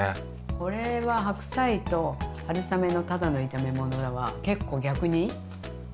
これは白菜と春雨のただの炒め物では結構逆に難しいんだよね。